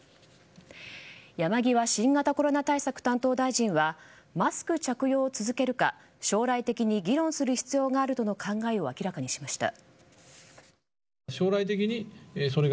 山際新型コロナ対策担当大臣はマスク着用を続けるか将来的に議論する必要があるとの考えを明らかにしました。